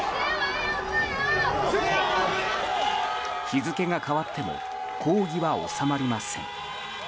日付が変わっても抗議は収まりません。